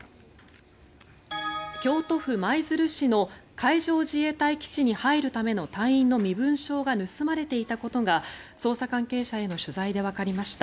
京都府舞鶴市の海上自衛隊基地に入るための隊員の身分証が盗まれていたことが捜査関係者への取材でわかりました。